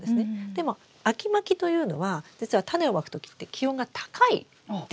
でも秋まきというのは実はタネをまくときって気温が高いですよね。